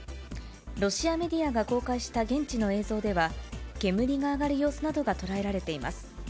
ロシアメディアが公開した現地の映像では、煙が上がる様子などが捉えられています。